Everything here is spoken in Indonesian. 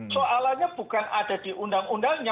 soalannya bukan ada di undang undangnya